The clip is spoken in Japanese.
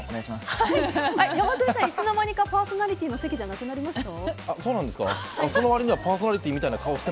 山添さんはいつの間にかパーソナリティーの席じゃなくなりました？